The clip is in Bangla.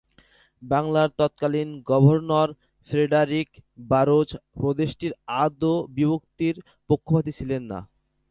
বাংলার তৎকালীন গভর্নর ফ্রেডারিক বারোজ প্রদেশটির আদৌ বিভক্তির পক্ষপাতী ছিলেন না।